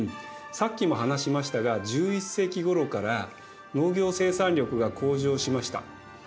さっきも話しましたが１１世紀ごろから農業生産力が向上しました。